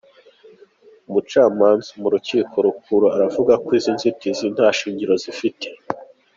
Umucamanza mu rukiko rukuru aravuga ko izi nzitizi nta shingiro zifite.